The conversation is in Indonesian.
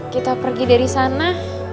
kita pergi dari sana